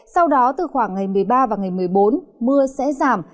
sau đó từ khoảng ngày một mươi ba và ngày một mươi bốn mưa sẽ giảm